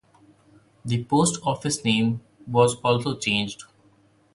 The post office name was also changed.